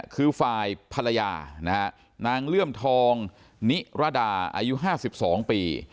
คือฟายภรรยานะฮะนางเลื่อมทองนิรดาอายุห้าสิบสองปี